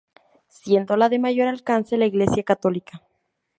Siendo la de mayor alcance la Iglesia Católica.